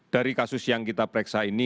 dari kasus yang kita periksa ini